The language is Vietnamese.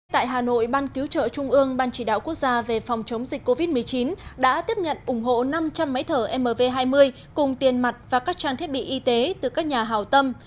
tại hà nội ban cứu trợ trung ương ban chỉ đạo quốc gia về phòng chống dịch covid một mươi chín đã tiếp nhận ủng hộ năm trăm linh máy thở mv hai mươi cùng tiền mặt và các trang thiết bị y tế từ các nhà hào tâm